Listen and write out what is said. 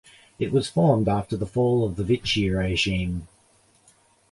It was formed after the fall of the Vichy regime.